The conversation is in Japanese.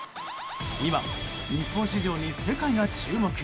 今、日本市場に世界が注目。